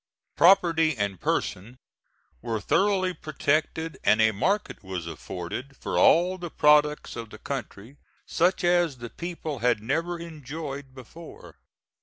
Property and person were thoroughly protected, and a market was afforded for all the products of the country such as the people had never enjoyed before.